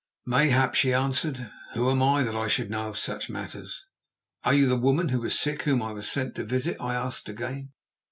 "Mayhap," she answered. "Who am I that I should know of such matters?" "Are you the woman who was sick whom I was sent to visit?" I asked again.